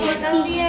permisi ya dong